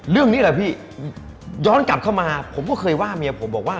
เรื่องนี้แหละพี่ย้อนกลับเข้ามาผมก็เคยว่าเมียผมบอกว่า